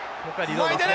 前に出る。